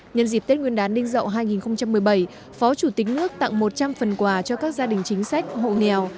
nhân dịp tết nguyên đán ninh dậu hai nghìn một mươi bảy phó chủ tịch nước tặng một trăm linh phần quà cho các gia đình chính sách hộ nghèo